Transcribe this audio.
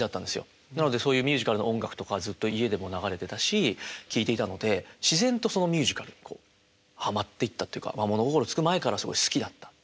なのでそういうミュージカルの音楽とかはずっと家でも流れてたし聴いていたので自然とミュージカルにこうはまっていったというか物心つく前から好きだった。